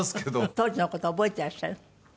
当時の事は覚えてらっしゃる？